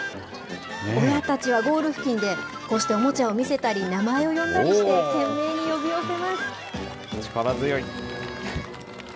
親たちはゴール付近で、こうしておもちゃを見せたり、名前を呼んだりして、懸命に呼び寄力強い。